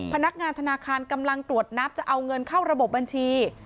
พนักงานธนาคารกำลังตรวจนับจะเอาเงินเข้าระบบบัญชี